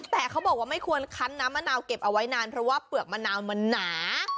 แต่เขาบอกว่าไม่ควรคั้นน้ำมะนาวเก็บเอาไว้นานเพราะว่าเปลือกมะนาวมันหนา